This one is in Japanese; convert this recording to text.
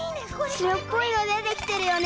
しろっぽいのでてきてるよね。